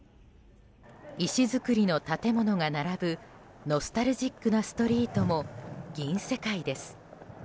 石造りの建物が並ぶノスタルジックなストリートも銀世界です。